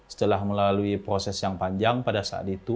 setelah melalui proses yang panjang pada saat itu